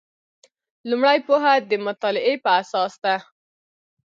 لومړۍ پوهه د مطالعې په اساس ده.